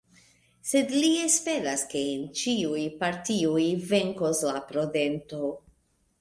Sed li esperas ke en ĉiuj partioj venkos la prudento.